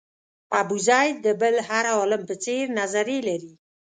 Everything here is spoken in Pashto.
ابوزید د بل هر عالم په څېر نظریې لرلې.